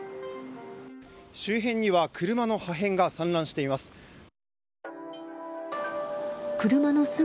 周辺には車の破片が散乱しています。